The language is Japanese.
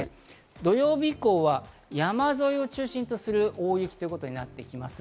土曜日以降は山沿いを中心とする大雪ということになってきます。